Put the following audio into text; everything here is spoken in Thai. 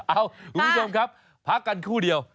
เอ้าคุณผู้ชมครับพักกันครู่เดียว